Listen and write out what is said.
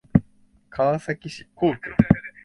川崎市幸区